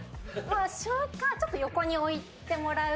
しょうかちょっと横に置いてもらう。